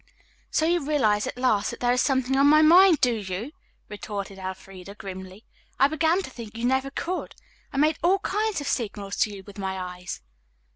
"So you realize at last that there is something on my mind, do you!" retorted Elfreda grimly. "I began to think you never could. I made all kinds of signals to you with my eyes."